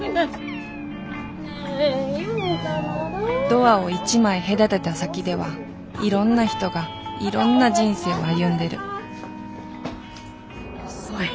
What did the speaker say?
ドアを一枚隔てた先ではいろんな人がいろんな人生を歩んでる遅い。